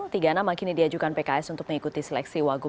tiga nama kini diajukan pks untuk mengikuti seleksi wagub